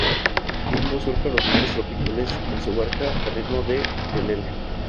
Bimbo surca los mares tropicales en su barca, a ritmo de ukelele.